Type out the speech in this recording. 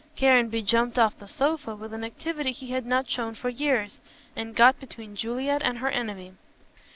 Caranby jumped off the sofa with an activity he had not shown for years, and got between Juliet and her enemy.